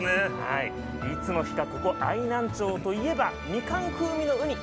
いつの日かここ愛南町といえばみかん風味のウニ。